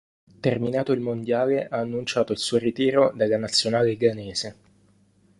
Terminato il Mondiale, ha annunciato il suo ritiro dalla Nazionale ghanese.